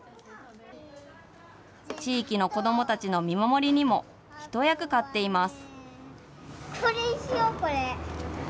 地域の子どもたちの見守りにも一役買っています。